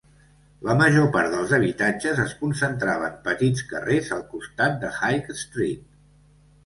La major part dels habitatges es concentrava en petits carrers al costat de High Street.